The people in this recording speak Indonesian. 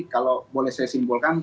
kalau boleh saya simpulkan